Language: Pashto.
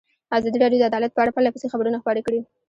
ازادي راډیو د عدالت په اړه پرله پسې خبرونه خپاره کړي.